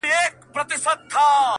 په خیر راغلاست یې راته وویل